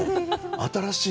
新しい。